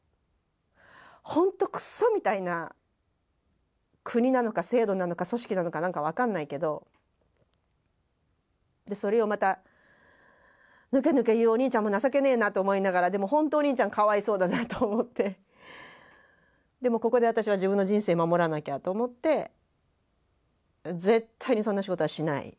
本当クソみたいな国なのか制度なのか組織なのか何か分かんないけどそれをまたぬけぬけ言うお兄ちゃんも情けねぇなと思いながらでもほんとお兄ちゃんかわいそうだなと思ってでもここで私は自分の人生を守らなきゃと思って絶対にそんな仕事はしない。